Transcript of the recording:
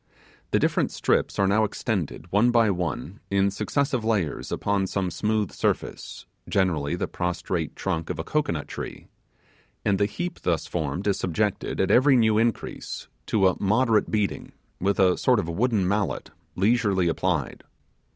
The different strips are now extended, one by one, in successive layers, upon some smooth surface generally the prostrate trunk of a cocoanut tree and the heap thus formed is subjected, at every new increase, to a moderate beating, with a sort of wooden mallet, leisurely applied.